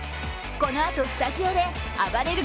このあとスタジオであばれる